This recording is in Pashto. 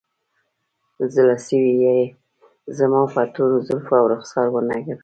زړسوی یې زما په تورو زلفو او رخسار ونه کړ